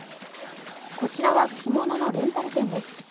こちらは着物のレンタル店です。